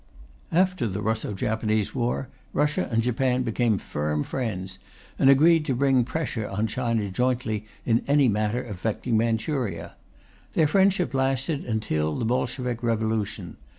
After the Russo Japanese war, Russia and Japan became firm friends, and agreed to bring pressure on China jointly in any matter affecting Manchuria. Their friendship lasted until the Bolshevik revolution.